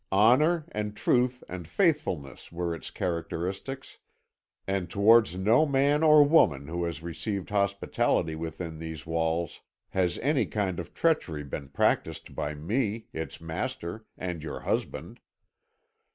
Honour, and truth, and faithfulness were its characteristics, and towards no man or woman who has received hospitality within these walls has any kind of treachery been practised by me, its master and your husband.